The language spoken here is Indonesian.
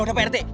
yaudah pak rt